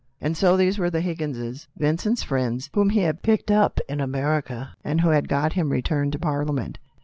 And so these were the Higgins; Vincent's friends, whom he had picked up in America, and who had got him returned to Parliament.